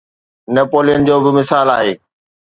Napoleon جو به مثال آهي.